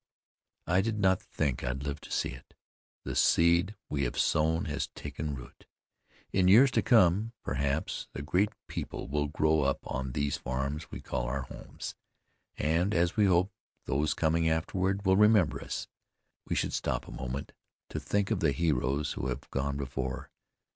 I did not think I'd live to see it. The seed we have sown has taken root; in years to come, perhaps, a great people will grow up on these farms we call our homes. And as we hope those coming afterward will remember us, we should stop a moment to think of the heroes who have gone before.